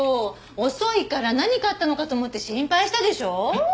遅いから何かあったのかと思って心配したでしょ。